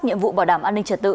nhiệm vụ bảo đảm an ninh trật tự